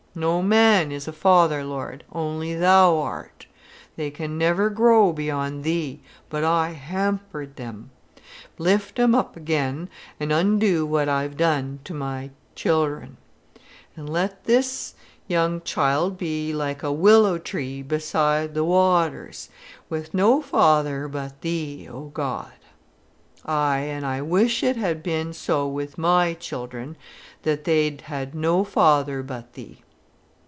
No man is a father, Lord: only Thou art. They can never grow beyond Thee, but I hampered them. Lift 'em up again, and undo what I've done to my children. And let this young childt be like a willow tree beside the waters, with no father but Thee, O God. Aye an' I wish it had been so with my children, that they'd had no father but Thee.